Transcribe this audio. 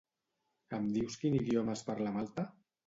Em dius quin idioma es parla a Malta?